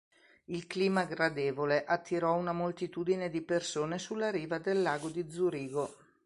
Il clima gradevole attirò una moltitudine di persone sulla riva del lago di Zurigo.